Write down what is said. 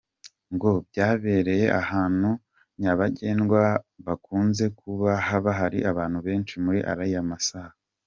Ngo byabereye ahantu nyabagendwa hakunze kuba hari abantu benshi muri ariya masaha.